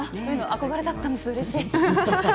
憧れだったんですうれしい。